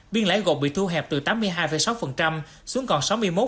biên lãi gột bị thu hẹp từ tám mươi hai sáu xuống còn sáu mươi một năm